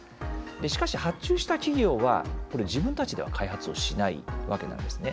しかし、発注した企業は自分たちでは開発をしないわけなんですね。